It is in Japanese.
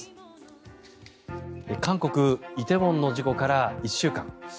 韓国イテウォンの事故から１週間。